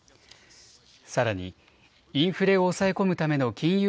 さらにインフレを抑え込むための金融